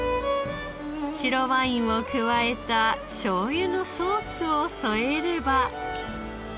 白ワインを加えたしょうゆのソースを添えれば。